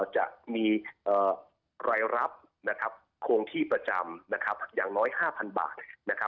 จะมีรายรับโครงที่ประจำอย่างน้อย๕๐๐บาท